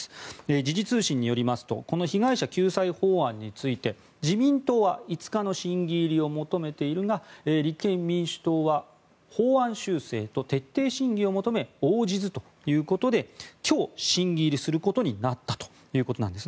時事通信によりますとこの被害者救済法案について自民党は５日の審議入りを求めているが立憲民主党は法案修正と徹底審議を求め応じずということで今日、審議入りすることになったということです。